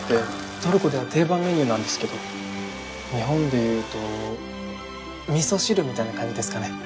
トルコでは定番メニューなんですけど日本でいうとみそ汁みたいな感じですかね。